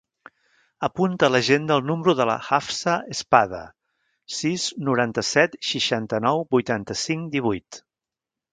Apunta a l'agenda el número de la Hafsa Espada: sis, noranta-set, seixanta-nou, vuitanta-cinc, divuit.